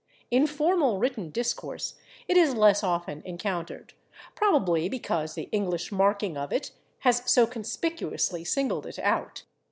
In formal written discourse it is less often encountered, probably because the English marking of it has so conspicuously singled it out.